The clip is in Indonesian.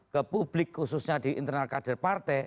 ke publik khususnya di internal kader partai